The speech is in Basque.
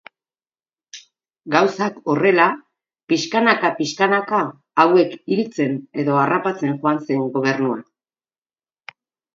Gauzak horrela, pixkanaka-pixkanaka hauek hiltzen edo harrapatzen joan zen gobernua.